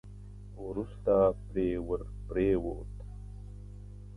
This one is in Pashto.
وروسته پرې ور پرېووت.